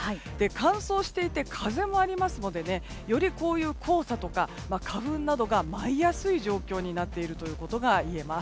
乾燥していて風もありますのでより、こういう黄砂とか花粉などが舞いやすい状況になっていることがいえます。